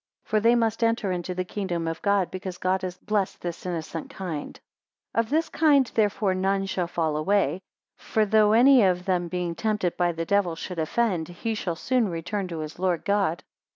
For they must enter into the kingdom of God, because God has blessed this innocent kind. 262 Of this kind therefore none shall fall away: for though any of them being tempted by the devil should offend, he shall soon return to his Lord God.